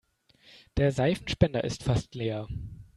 Der Seifenspender ist fast leer.